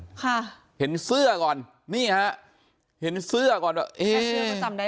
ค่ะเห็นเสื้อก่อนนี่ฮะเห็นเสื้อก่อนว่าเอ๊ะเสื้อก็จำได้